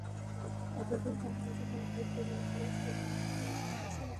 এতদিন যাহার জন্য অপেক্ষা করিয়াছিল, সে দিন তো আজ আসিয়াছে।